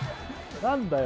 何だよ